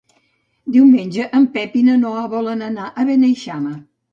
Diumenge en Pep i na Noa volen anar a Beneixama.